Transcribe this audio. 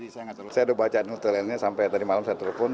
saya sudah baca nutriennya sampai tadi malam saya telepon